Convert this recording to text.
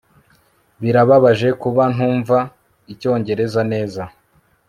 Birababaje kuba ntumva icyongereza neza